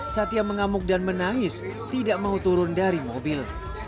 satya mengamuk dan menangis tidak mau turun dari mobil